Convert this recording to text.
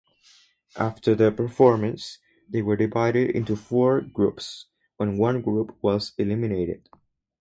After their performance, they were divided into four groups and one group was eliminated.